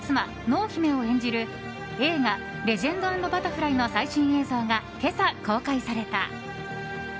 濃姫を演じる映画「レジェンド＆バタフライ」の最新映像が今朝、公開された。